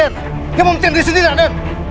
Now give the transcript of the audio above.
yang memimpin diri sendiri rade